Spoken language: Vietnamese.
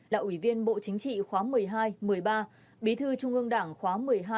là ủy viên bộ chính trị khóa một mươi hai một mươi ba bí thư trung ương đảng khóa một mươi hai một mươi ba